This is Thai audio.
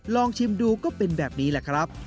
ลองชิมดูก็เป็นแบบนี้แหละครับ